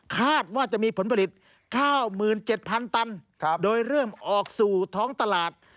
คาดว่าจะมีผลผลิต๙๗๐๐ตันโดยเริ่มออกสู่ท้องตลาด